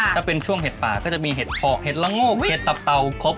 ถ้าเป็นช่วงเห็ดป่าก็จะมีเห็ดพอกเห็ดละโงกเห็ดตับเป่าครบ